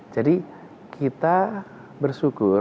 jadi kita bersyukur